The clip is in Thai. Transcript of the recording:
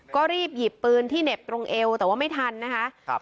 ก็รีบหยิบปืนที่เหน็บตรงเอวแต่ว่าไม่ทันนะคะ